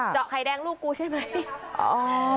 ไข่แดงลูกกูใช่ไหม